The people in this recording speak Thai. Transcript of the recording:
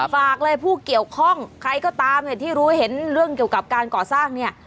ฝากเลยผู้เกี่ยวข้องใครก็ตามเนี่ยที่รู้เห็นเรื่องเกี่ยวกับการก่อสร้างเนี่ย